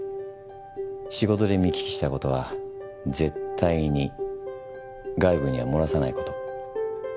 仕事で見聞きしたことは絶対に外部には漏らさないこと。